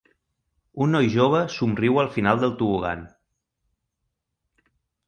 Un noi jove somriu al final del tobogan.